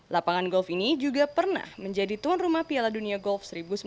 lapangan golf ini juga pernah menjadi tuan rumah piala dunia golf seribu sembilan ratus sembilan puluh